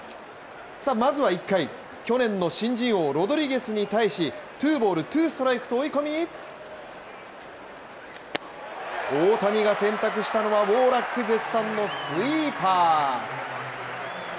まずは１回、去年の新人王ロドリゲスに対しツーボール、ツーストライクと追い込み大谷が選択したのはウォーラック絶賛のスイーパー。